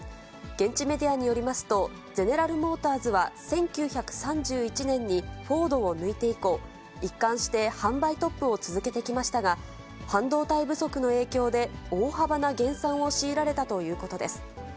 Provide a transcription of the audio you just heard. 現地メディアによりますと、ゼネラル・モーターズは１９３１年にフォードを抜いて以降、一貫して販売トップを続けてきましたが、半導体不足の影響で、大幅な減産を強いられたということです。